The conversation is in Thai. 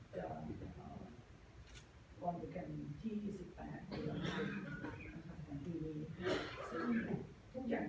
จะก่อนด้วยกันที่๑๘เดี๋ยวนาน